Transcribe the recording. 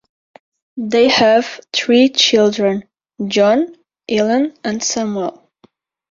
They have three children: John, Elene and Samuel.